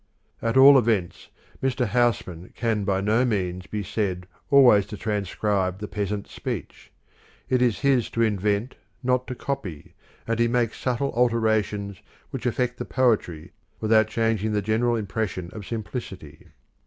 At all events Mr. Housman can by no means be said always to transcribe the peasant speech. It is his to invent, not to copy, and he makes subtle alterations which affect the poetry without changing the general impression of simplicity.